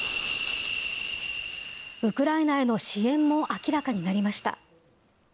ウクライナへの支援も明らかになりました。